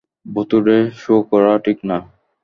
ভুতুড়ে শো করা ঠিক না।